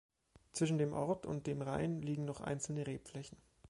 Zwischen dem Ort und dem Rhein liegen noch einzelne Rebflächen.